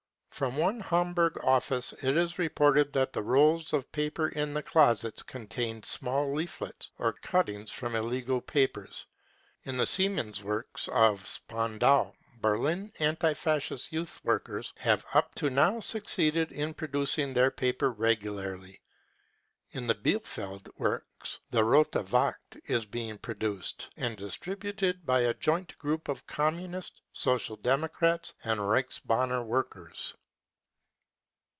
From one Hamburg office it is reported that the rolls of paper in the closets contain small leaflets or cuttings from illegal papers. In the Siemens works in Spandau, Berlin, anti Fascist young workers have up to now succeeded in producing their paper regularly. In the Bielefeld works the Rote Wacht is being produced and distributed by a joint group of Communist, Social Democratic and Reichsbanner workers.